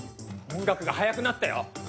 音楽が速くなったよ。